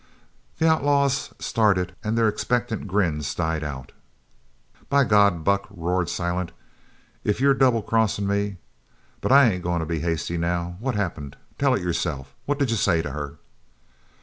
The outlaws started and their expectant grins died out. "By God, Buck!" roared Silent, "if you're double crossin' me but I ain't goin' to be hasty now. What happened? Tell it yourself! What did you say to her?"